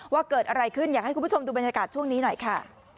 ว่าเกิดอะไรขึ้นอยากให้คุณผู้ชมดูบรรยากาศช่วงนี้หน่อยค่ะ